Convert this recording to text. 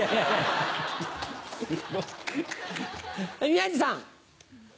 宮治さん。